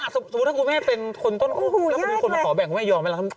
สมมุติถ้าคุณแม่เป็นคนต้นถ้าเป็นคนมาขอแบ่งคุณแม่ยอมไหมล่ะ